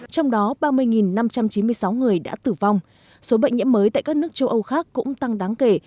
trong đó ba mươi năm trăm chín mươi sáu người đã tử vong số bệnh nhiễm mới tại các nước châu âu khác cũng tăng đáng kể